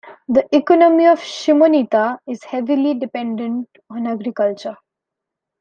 The economy of Shimonita is heavily dependent on agriculture.